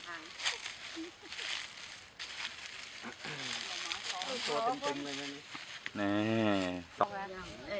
และถ้าเกี่ยวกับผู้หญิงมีประโยชน์